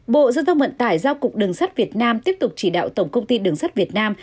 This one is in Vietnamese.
bộ giao thông vận tải giao cục đường sắt việt nam tiếp tục chỉ đạo tổng công ty đường sắt việt nam